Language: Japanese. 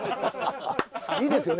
いいですよね。